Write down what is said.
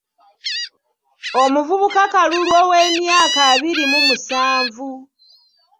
Omuvubuka Kalulu ow’emyaka abiri mu musanvu